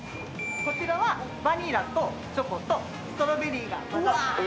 こちらはバニラとチョコとストロベリーがまざった。